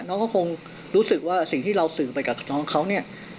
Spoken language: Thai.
น้องก็คงรู้สึกว่าสิ่งที่เราสื่อไปกับน้องเขาเนี่ย